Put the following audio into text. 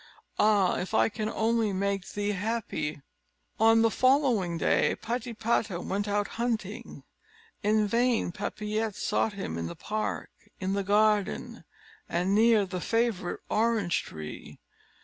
Ah! if I can only make thee happy!" On the following day, Patipata went out hunting. In vain Papillette sought him in the park, in the garden, and near the favourite orange tree.